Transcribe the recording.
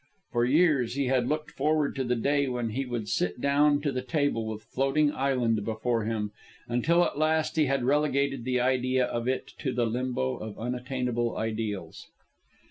For years he had looked forward to the day when he would sit down to the table with floating island before him, until at last he had relegated the idea of it to the limbo of unattainable ideals.